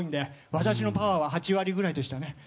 私のパワーは８割ぐらいでしたね。